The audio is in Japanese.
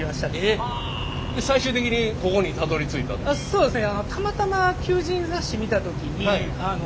そうですね。